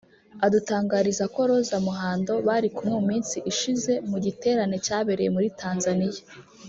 adutangariza ko Rose Muhando bari kumwe mu minsi ishize mu giterane cyabereye muri Tanzania